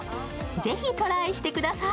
ぜひトライしてください。